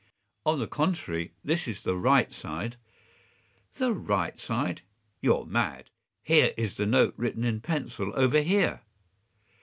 ” “On the contrary, this is the right side.” “The right side? You’re mad! Here is the note written in pencil over here.